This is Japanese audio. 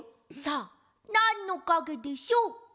さあなんのかげでしょう？